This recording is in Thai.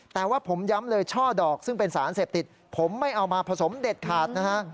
แต่ว่าผมย้ำเลยช่อดอกซึ่งเป็นสารเสพติดผมไม่เอามาผสมเด็ดขาดนะฮะ